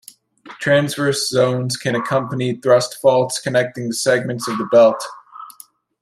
Transverse zones can accompany thrust faults connecting the segments of the belt.